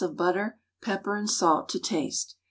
of butter, pepper and salt to taste.